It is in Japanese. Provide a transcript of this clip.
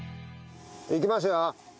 いきますよ。